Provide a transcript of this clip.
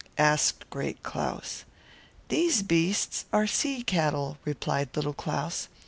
asked Great Claus. "These beasts are sea cattle," replied Little Claus.